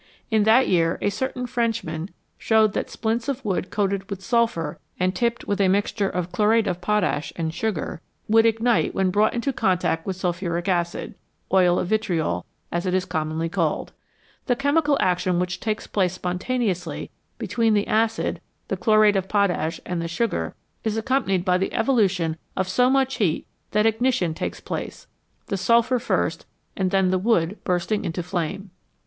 In that year a certain Frenchman showed that splints of wood coated with sulphur and tipped with a mixture of chlorate of potash and sugar would ignite when brought into contact with sulphuric acid oil of vitriol, as it is commonly called. The chemical action which takes place spontaneously between the acid, the chlorate of potash, and the sugar is accompanied by the evolution of so much heat that ignition takes place, the sulphur first and then the wood bursting into flame.